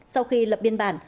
sau khi lập biên bản